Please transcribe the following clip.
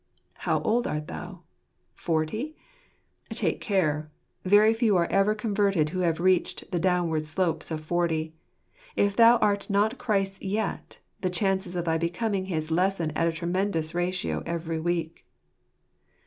How old art thou? Forty ? Take care! Very few are ever converted who have reached the downward slopes of forty. If thou art not Christ's yet, the chances of thy becoming his lessen at a tremendous ratio every week.